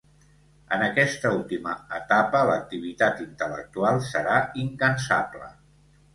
En aquesta última etapa l'activitat intel·lectual serà incansable.